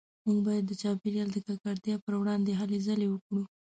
موږ باید د چاپیریال د ککړتیا پروړاندې هلې ځلې وکړو